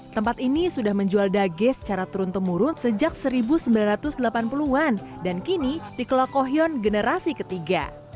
tempat ini sudah menjual dage secara turun temurun sejak seribu sembilan ratus delapan puluh an dan kini dikelokohion generasi ketiga